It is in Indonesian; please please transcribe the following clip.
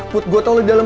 put gue tahu lo di dalam